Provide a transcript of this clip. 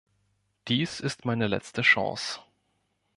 Dies ist meine letzte Chance.